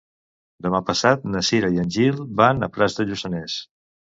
Demà passat na Cira i en Gil van a Prats de Lluçanès.